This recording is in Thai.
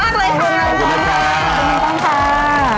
ขอบคุณนะครับ